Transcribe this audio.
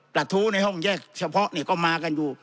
กระทู้ในห้องแยกเฉพาะก็มากันอยู่